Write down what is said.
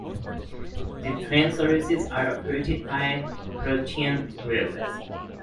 The train services are operated by Croatian railways.